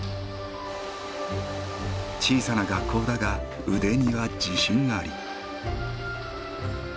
小さな学校だが腕には自信あり。